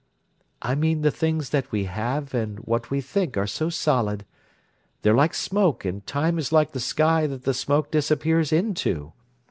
"I mean the things that we have and that we think are so solid—they're like smoke, and time is like the sky that the smoke disappears into.